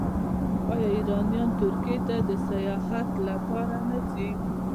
آیا ایرانیان ترکیې ته د سیاحت لپاره نه ځي؟